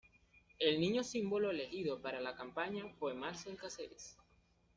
El niño símbolo elegido para la campaña fue Marcel Cáceres.